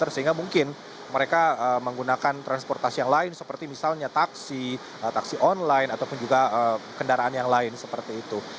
sehingga mungkin mereka menggunakan transportasi yang lain seperti misalnya taksi taksi online ataupun juga kendaraan yang lain seperti itu